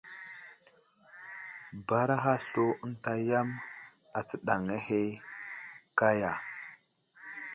Baaraha slu ənta yam astəɗaŋŋa ahe kaya !